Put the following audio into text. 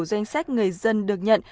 danh sách người dân được nhận